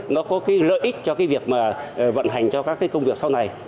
nó có lợi ích cho việc vận hành cho các công việc sau này